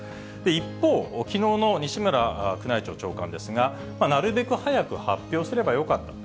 一方、きのうの西村宮内庁長官ですが、なるべく早く発表すればよかった。